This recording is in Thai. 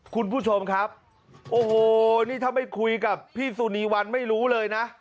คุณผู้ชมครับโอ้โหนี่ถ้าไม่คุยกับพี่สุนีวันไม่รู้เลยนะ